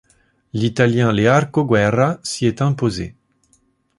L'Italien Learco Guerra s'y est imposé.